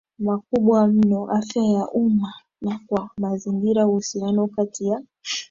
makubwa mno afya ya umma na kwa mazingiraUhusiano kati ya